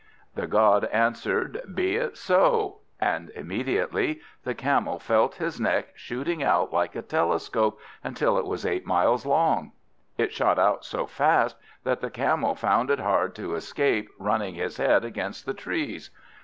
The god answered, "Be it so!" and immediately the Camel felt his neck shooting out like a telescope, until it was eight miles long. It shot out so fast, that the Camel found it hard to escape running his head against the trees.